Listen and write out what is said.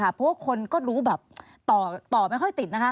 เพราะว่าคนก็รู้แบบต่อไม่ค่อยติดนะคะ